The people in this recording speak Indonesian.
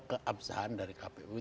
keabsahan dari kpu